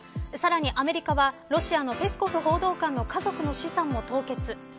さらに、アメリカはロシアのペスコフ報道官の家族の資産を凍結。